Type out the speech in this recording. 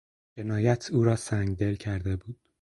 جنایت او را سنگدل کرده بود.